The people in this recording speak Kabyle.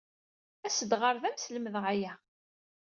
As-d ɣer da, ad am-slemdeɣ aya.